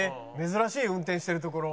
珍しい運転してるところ。